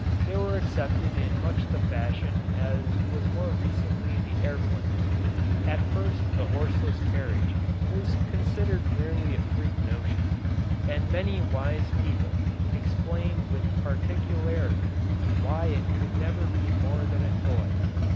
They were accepted in much the fashion as was more recently the airplane. At first the "horseless carriage" was considered merely a freak notion and many wise people explained with particularity why it could never be more than a toy.